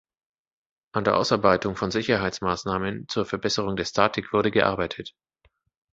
An der Ausarbeitung von Sicherungsmaßnahmen zur Verbesserung der Statik wurde gearbeitet.